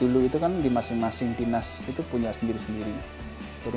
dulu itu kan di masing masing dinas itu punya sendiri sendiri